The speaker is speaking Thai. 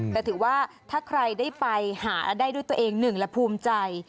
แต่ถือว่าถ้าใครได้ไปหาได้ด้วยตัวเองหนึ่งและภูมิใจ